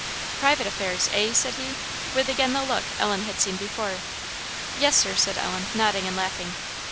"Private affairs, eh?" said he, with again the look Ellen had seen before. "Yes, Sir," said Ellen, nodding and laughing.